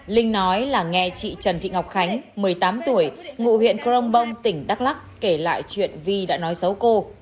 linh nói là nghe chị trần thị ngọc khánh một mươi tám tuổi ngụ huyện crong bong tỉnh đắk lắc kể lại chuyện vi đã nói xấu cô